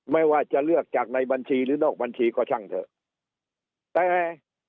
ไม่ว่าจะเลือกจากในบัญชีหรือนอกบัญชีก็ช่างเถอะแต่